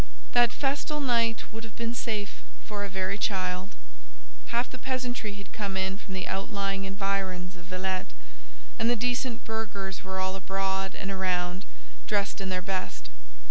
That festal night would have been safe for a very child. Half the peasantry had come in from the outlying environs of Villette, and the decent burghers were all abroad and around, dressed in their best.